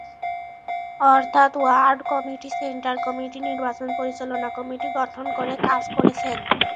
অর্থাৎ ward committee, centre committee, নির্বাচন পরিচালনা কমিটি গঠন করে কাজ করছেন।